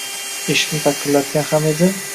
Eshikni taqillatgan ham edi.